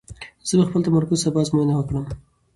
زه به خپل تمرکز سبا ازموینه کړم.